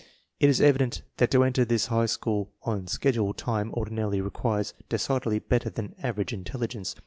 It is evident that to enter this high school on schedule time ordinarily requires decidedly better than average intelligence.